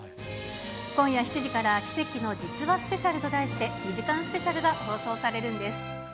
今夜７時から奇跡の実話スペシャルと題して、２時間スペシャルが放送されるんです。